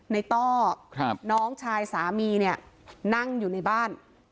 ในต้อน้องชายสามีน่างอยู่ในบ้าน